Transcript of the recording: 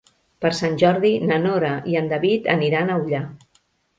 Per Sant Jordi na Nora i en David aniran a Ullà.